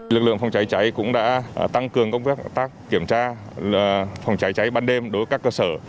lực lượng phòng cháy cháy cũng đã tăng cường công tác kiểm tra phòng cháy cháy ban đêm đối với các cơ sở